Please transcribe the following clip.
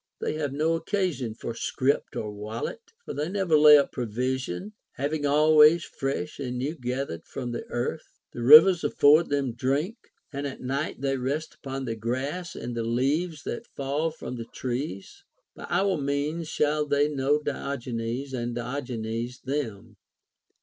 They have no occasion for scrip or wallet, for tuey never lay up provision, having always fresh and new gath ered from the earth. The rivers afford them drink, and at night they rest upon the grass and the leaves that fall from the trees. By our means shall they know Diogenes, and Diogenes them.